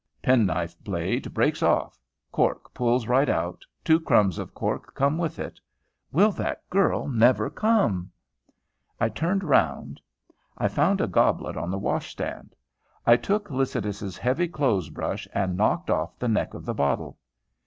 Penknife blade breaks off, fork pulls right out, two crumbs of cork come with it. Will that girl never come? I turned round; I found a goblet on the washstand; I took Lycidas's heavy clothes brush, and knocked off the neck of the bottle.